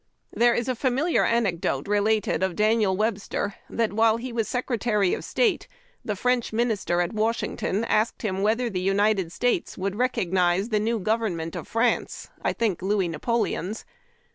There is a familiar anecdote related of Daniel 150ILINO THKM. 84 HARD TACK AND COFFEE. Webster : that while he was Secretary of State, the French Minister at Washington asked him whether the United States would recognize the new government of France — I think Louis Napoleon's.